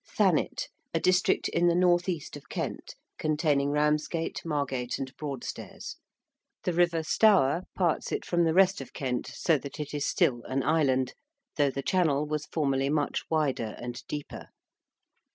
~Thanet~: a district in the north east of Kent, containing Ramsgate, Margate, and Broadstairs. The river Stour parts it from the rest of Kent, so that it is still an 'island,' though the channel was formerly much wider and deeper.